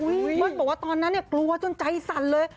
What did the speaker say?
เบิ้ลบอกว่าตอนนั้นกลัวจนใจสั่นเลย